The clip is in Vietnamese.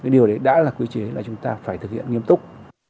điều đấy đã là quy chế là chúng ta phải thực hiện nghiêm túc